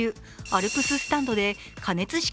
アルプススタンドで加熱式